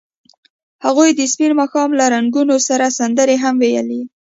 هغوی د سپین ماښام له رنګونو سره سندرې هم ویلې.